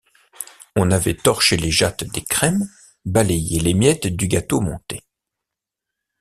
On avait torché les jattes des crèmes, balayé les miettes du gâteau monté.